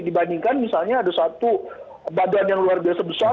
dibandingkan misalnya ada satu badan yang luar biasa besar